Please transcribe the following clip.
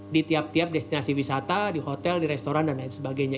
di tiap tiap destinasi wisata di hotel di restoran dan lain sebagainya